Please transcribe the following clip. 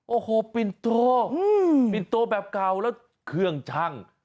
โอ้โหปินโตปิ่นโตแบบเก่าแล้วเครื่องชั่ง